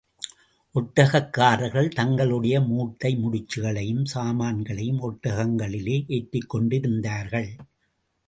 ஒட்டகக் காரர்கள் தங்களுடைய மூட்டை முடிச்சுகளையும் சாமான்களையும் ஒட்டகங்களிலே ஏற்றிக்கொண்டிருந்தார்கள்.